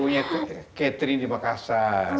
punya catering di makassar